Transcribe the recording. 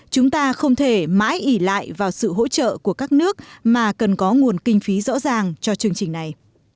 chúng ta không thể mãi ỉ lại vào sự hỗ trợ của các nước mà cần có nguồn kinh phí rõ ràng cho chương trình này